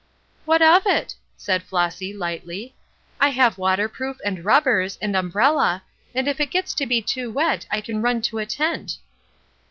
"What of it?" said Flossy, lightly. "I have waterproof, and rubbers, and umbrella, and if it gets to be too wet I can run to a tent."